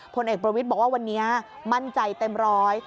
ผลเอกประวิทย์บอกว่าวันนี้มั่นใจเต็มร้อย